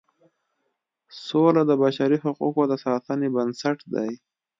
سوله د بشري حقوقو د ساتنې بنسټ دی.